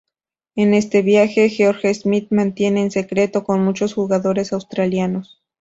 En este viaje, George Smith mantiene en secreto con muchos jugadores australianos.